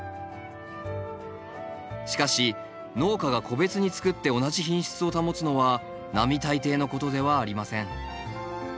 しかし農家が個別につくって同じ品質を保つのは並大抵のことではありません。